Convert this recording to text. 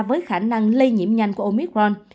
với khả năng lưu trị